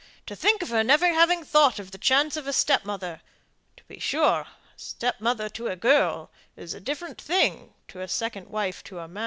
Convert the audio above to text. To think of her never having thought of the chance of a stepmother. To be sure, a stepmother to a girl is a different thing to a second